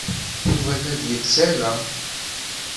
Yuba la d-yettarra.